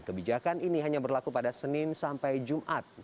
kebijakan ini hanya berlaku pada senin sampai jumat